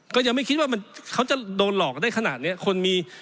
ก็ยังไม่คิดว่าเขาจะโดนหลอกได้ขนาดนี้คนมี